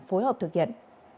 phối hợp thực hiện